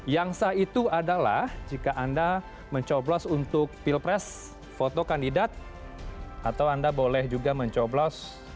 yang sah itu adalah jika anda mencoblos untuk pilpres foto kandidat atau anda boleh juga mencoblos